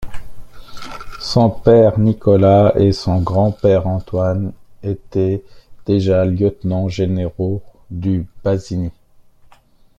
Son père Nicolas et son grand-père Antoine étaient déjà lieutenants-généraux du Bassigny.